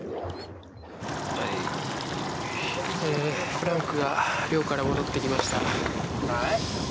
フランクが猟から戻ってきました。